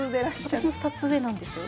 私の２つ上なんですよ。